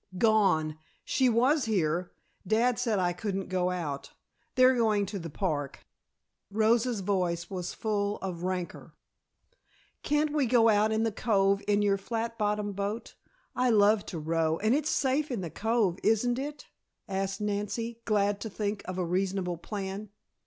"Gone. She was here. Dad said I couldn't go out. They're going to the park " Rosa's voice was full of rancor. "Can't we go out in the cove in your flat bottom boat? I love to row, and it's safe in the cove, isn't it?" asked Nancy, glad to think of a reasonable plan.